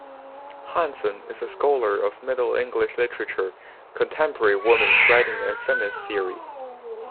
Hansen is a scholar of Middle English literature, contemporary women's writing and feminist theory.